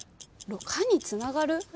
「か」につながる。